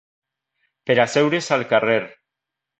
Per asseure's al carrer!